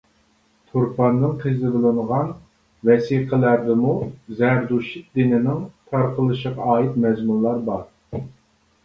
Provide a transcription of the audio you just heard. تۇرپاندىن قېزىۋېلىنغان ۋەسىقىلەردىمۇ زەردۇشت دىنىنىڭ تارقىلىشىغا ئائىت مەزمۇنلار بار.